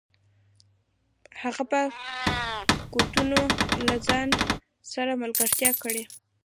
هغه به قوتونه له ځان سره ملګري کړي.